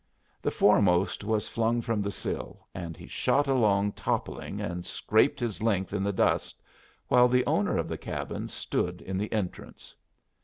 The foremost was flung from the sill, and he shot along toppling and scraped his length in the dust, while the owner of the cabin stood in the entrance.